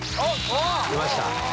来ました。